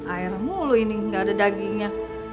air mulu ini nggak ada dagingnya